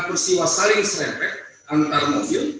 peristiwa saling serempet antar mobil